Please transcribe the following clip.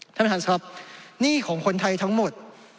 ท่านอาจารย์ครับหนี้ของคนไทยทั้งหมด